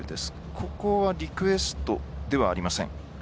ここはリクエストにはありません。